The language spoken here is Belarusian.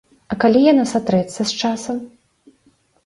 А калі яна сатрэцца з часам?